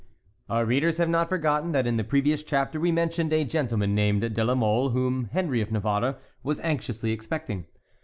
Our readers have not forgotten that in the previous chapter we mentioned a gentleman named De la Mole whom Henry of Navarre was anxiously expecting.